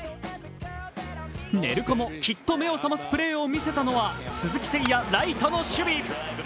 寝る子もきっと目を覚ますプレーを見せたのは、鈴木誠也、ライトの守備。